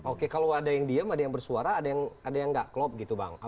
oke kalau ada yang diem ada yang bersuara ada yang nggak klop gitu bang